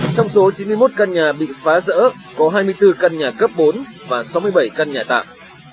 trong số chín mươi một căn nhà bị phá rỡ có hai mươi bốn căn nhà cấp bốn và sáu mươi bảy căn nhà tạm